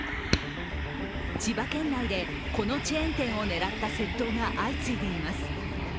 千葉県内で、このチェーン店を狙った窃盗が相次いでいます。